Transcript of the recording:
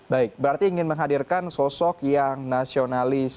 baik berarti ingin menghadirkan sosok yang nasionalis